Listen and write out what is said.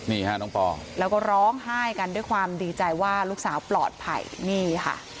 นี่ค่ะน้องปอแล้วก็ร้องไห้กันด้วยความดีใจว่าลูกสาวปลอดภัยนี่ค่ะ